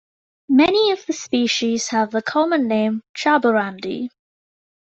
Many of the species have the common name jaborandi.